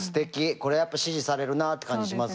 これやっぱ支持されるなって感じします。